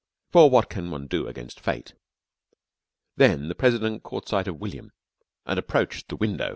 For what can one do against Fate? Then the President caught sight of William and approached the window.